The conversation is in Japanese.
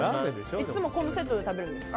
いつもこのセットで食べるんですか？